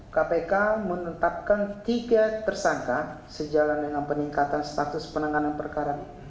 kpk menetapkan tiga tersangka sejalan dengan peningkatan status penanganan perkara ini